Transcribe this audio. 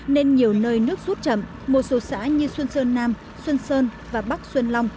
nên nhiều nơi nước rút chậm một số xã như xuân sơn nam xuân sơn và bắc xuân long